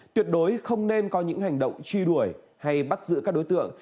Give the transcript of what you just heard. tuyệt đối không nên có những hành động truy đuổi hay bắt giữ các đối tượng